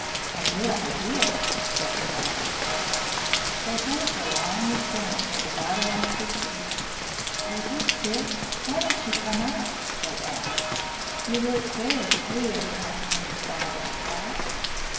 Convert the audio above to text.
"A good idea," said the others. They found her lying aslant near the bottom of the sea. "Are you sick? Why don't you come up?" they asked. "You look very queer, lying on your side like that."